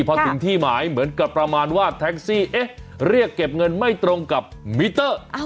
พอถึงที่หมายเหมือนกับประมาณว่าแท็กซี่เอ๊ะเรียกเก็บเงินไม่ตรงกับมิเตอร์